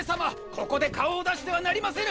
ここで顔を出してはなりませぬ！